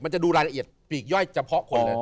จะดูรายละเอียดปีกย่อยเฉพาะคนเลย